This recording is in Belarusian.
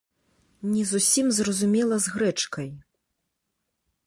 Не зусім зразумела з грэчкай.